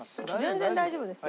全然大丈夫ですよ。